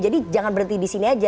jadi jangan berhenti disini aja